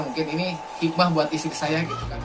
mungkin ini hikmah buat istri saya